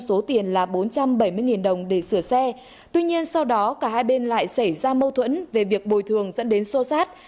số tiền là bốn trăm bảy mươi đồng để sửa xe tuy nhiên sau đó cả hai bên lại xảy ra mâu thuẫn về việc bồi thường dẫn đến sô sát